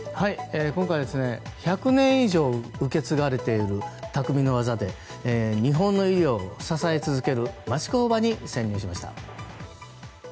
今回、１００年以上受け継がれているたくみの技で日本の医療を支え続ける町工場に潜入しました。